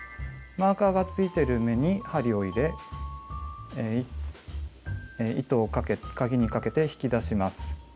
マーカーがついてる目に針を入れ糸をかぎにかけて引き出します。